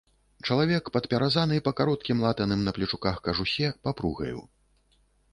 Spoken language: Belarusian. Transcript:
Чалавек падпяразаны па кароткім латаным на плечуках кажусе папругаю.